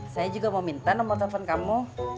saya juga mau minta nomor telepon kamu